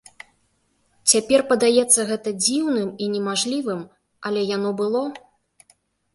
Цяпер падаецца гэта дзіўным і немажлівым, але яно было.